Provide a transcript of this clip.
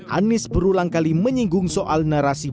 anies berulang kali menyinggung soal narasi